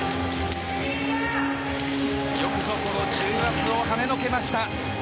よくぞ、この重圧をはねのけました。